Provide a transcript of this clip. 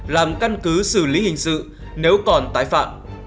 làm căn cứ xử lý hình sự nếu còn tái phạm